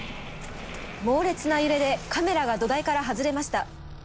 猛烈な揺れでカメラが土台から外れました。